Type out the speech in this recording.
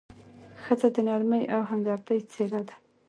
ښځه د نرمۍ او همدردۍ څېره لري.